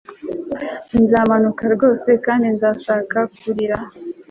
nzamanuka rwose, kandi ndashaka kurira